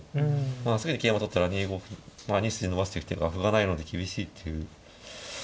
まあすぐに桂馬取ったら２五歩まあ２筋伸ばしていく手が歩がないので厳しいっていう狙いで。